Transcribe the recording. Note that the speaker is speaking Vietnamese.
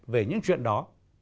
về những chuyện đó